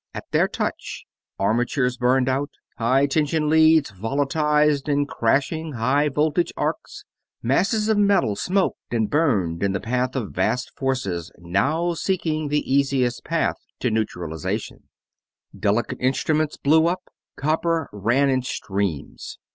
At their touch armatures burned out, high tension leads volatilized in crashing, high voltage arcs, masses of metal smoked and burned in the path of vast forces now seeking the easiest path to neutralization, delicate instruments blew up, copper ran in streams.